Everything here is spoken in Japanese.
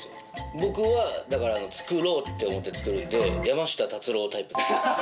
僕は作ろうって思って作るんで山下達郎タイプです。